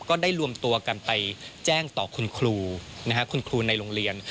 ก็ได้รวมตัวกันไปแจ้งต่อคุณครูคุณครูในโรงเรียน